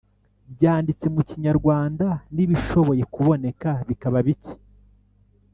byanditse mu kinyarwanda n’ibishoboye kuboneka bikaba bike.